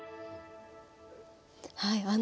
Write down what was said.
はい。